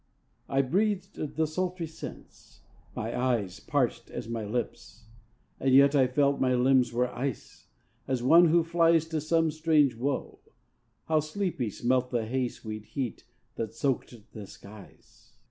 I breathed the sultry scents, my eyes Parched as my lips. And yet I felt My limbs were ice. As one who flies To some strange woe. How sleepy smelt The hay sweet heat that soaked the skies!